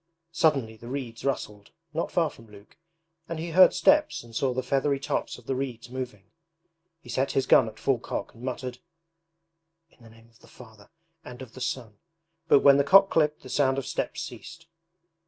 Suddenly the reeds rustled not far from Luke and he heard steps and saw the feathery tops of the reeds moving. He set his gun at full cock and muttered: 'In the name of the Father and of the Son,' but when the cock clicked the sound of steps ceased.